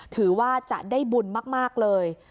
ถือว่าจะได้บุญมากเลย